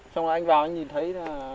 xong rồi anh vào anh nhìn thấy